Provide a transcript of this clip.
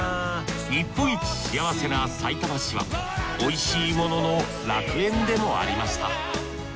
日本一幸せなさいたま市はおいしいものの楽園でもありました